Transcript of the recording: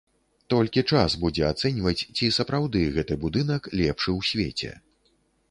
Толькі час будзе ацэньваць, ці сапраўды гэты будынак лепшы ў свеце.